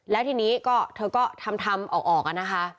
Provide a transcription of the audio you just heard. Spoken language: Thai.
แล้วทีนี้ก็เธอก็ทำออกอะนะคะ